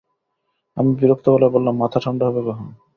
আমি বিরক্ত গলায় বললাম, মাথা ঠাণ্ডা হবে কখন?